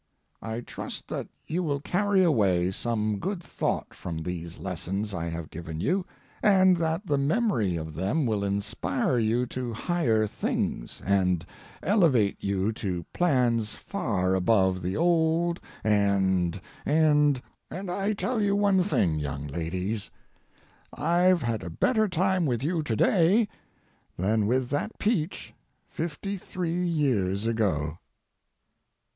I trust that you will carry away some good thought from these lessons I have given you, and that the memory of them will inspire you to higher things, and elevate you to plans far above the old—and—and— And I tell you one thing, young ladies: I've had a better time with you to day than with that peach fifty three years ago.